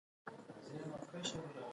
که یوولس میاشتې کار یې کړی وي.